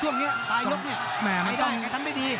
ช่วงนี้ปลายยกเนี่ย